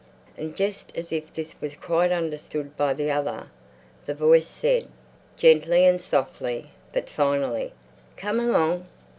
And just as if this was quite understood by the other, the voice said, gently and softly, but finally, "Come along!"